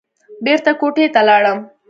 بېرته کوټې ته لاړم.